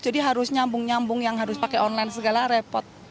jadi harus nyambung nyambung yang harus pakai online segala repot